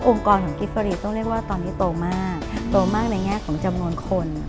กรของกิฟฟารีต้องเรียกว่าตอนนี้โตมากโตมากในแง่ของจำนวนคน